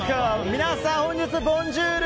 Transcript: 皆さん、本日はボンジュール！